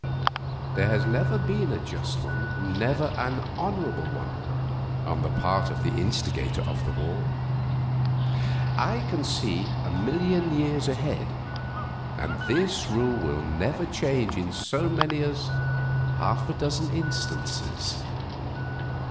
"There has never been a just one, never an honorable one on the part of the instigator of the war. I can see a million years ahead, and this rule will never change in so many as half a dozen instances.